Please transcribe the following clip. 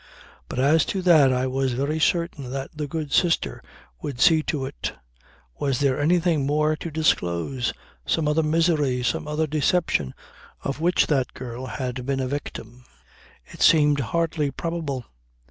But as to that I was very certain that the good sister would see to it. Was there anything more to disclose some other misery, some other deception of which that girl had been a victim? It seemed hardly probable.